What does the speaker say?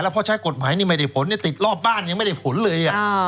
เพราะใช้กฎหมายนี่ไม่ได้ผลติดรอบบ้านยังไม่ได้ผลเลย